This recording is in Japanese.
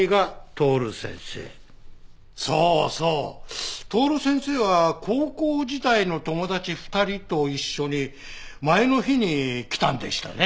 そうそう徹先生は高校時代の友達２人と一緒に前の日に来たんでしたね。